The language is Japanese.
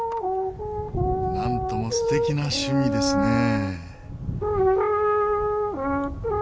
なんとも素敵な趣味ですねえ。